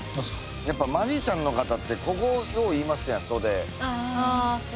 やっぱマジシャンの方ってここをよう言いますやん袖。